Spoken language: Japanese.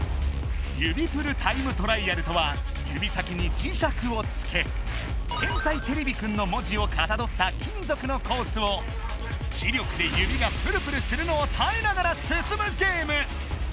「指プルタイムトライアル！」とは指先に磁石をつけ「天才てれびくん」の文字をかたどった金属のコースを磁力で指がプルプルするのをたえながらすすむゲーム！